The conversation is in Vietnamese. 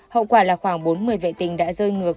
hậu quả là khoảng bốn mươi vệ tinh đã rơi ngược